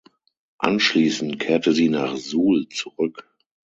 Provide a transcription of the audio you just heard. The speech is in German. Anschließend kehrte sie nach Suhl zurück.